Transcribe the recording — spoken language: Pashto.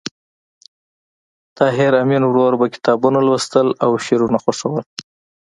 د طاهر آمین ورور به کتابونه لوستل او شعرونه خوښول